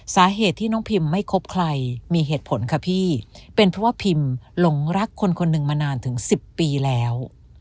สาเหตุที่น้องพิมไม่คบใครมีเหตุผลค่ะพี่เป็นเพราะว่าพิมหลงรักคนคนหนึ่งมานานถึง๑๐ปีแล้ว